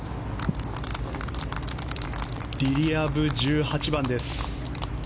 リリア・ブ１８番です。